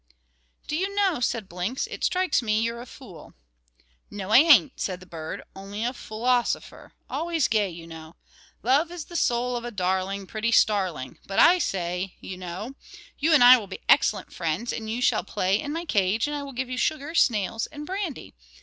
"Do you know," said Blinks, "it strikes me you're a fool." "No I ain't," said the bird, "only a foolosopher always gay, you know. Love is the soul of a darling pretty starling; but I say, you know, you and I will be excellent friends, and you shall play in my cage, and I will give you sugar, snails, and brandy.